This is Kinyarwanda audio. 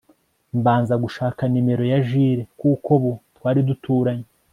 mbanza gushaka nimero ya Jule kuko bo twari duturanye